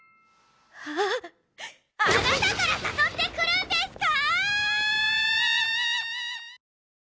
☎あなたから誘ってくるんですか！